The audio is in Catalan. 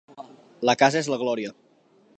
La casa és la glòria.